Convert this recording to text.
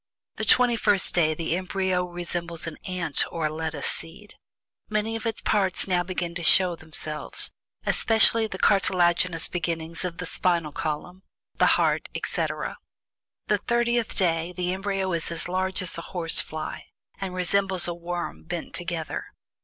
The TWENTY FIRST DAY the embryo resembles an ant or a lettuce seed. Many of its parts now begin to show themselves, especially the cartilaginous beginnings of the spinal column, the heart, etc. The THIRTIETH DAY the embryo is as large as a horse fly, and resembles a worm, bent together.